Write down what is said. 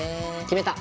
決めた！